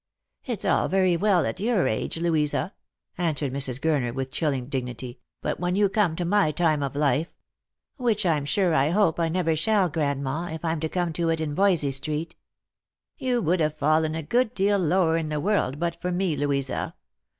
"It's all very well at your age, Louisa," answered Mrs. Gurner, with chilling dignity ;" but when you come to my time of life "" Which I'm sure I hope I never shall, grandma, if I'm to come to it in Voysey street." " You would have fallen a good deal lower in the world but for me, Louisa.